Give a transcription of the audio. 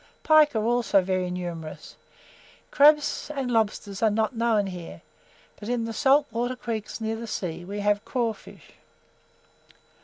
Pike are also very numerous. Crabs and lobsters are not known here, but in the salt creeks near the sea we have craw fish.